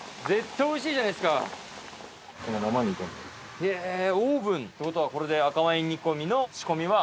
へぇオーブン！ってことはこれで赤ワイン煮込みの仕込みは。